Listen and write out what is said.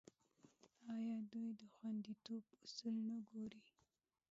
آیا دوی د خوندیتوب اصول نه ګوري؟